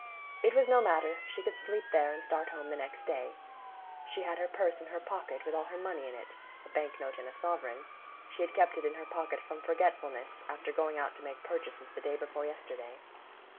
It was no matter; she could sleep there, and start home the next day. She had her purse in her pocket, with all her money in it,—a bank note and a sovereign; she had kept it in her pocket from forgetfulness, after going out to make purchases the day before yesterday.